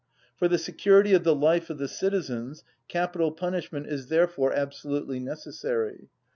For the security of the life of the citizens capital punishment is therefore absolutely necessary.